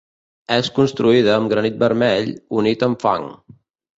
És construïda amb granit vermell, unit amb fang.